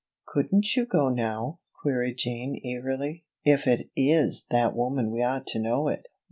"Couldn't you go now?" queried Jean, eagerly. "If it is that woman we ought to know it."